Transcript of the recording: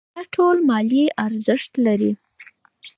دا ټول مالي ارزښت لري.